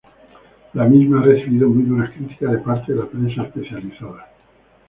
La misma ha recibido muy duras críticas de parte de la prensa especializada.